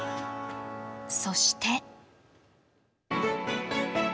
そして。